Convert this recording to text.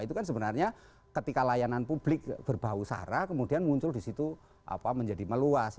itu kan sebenarnya ketika layanan publik berbau sara kemudian muncul di situ menjadi meluas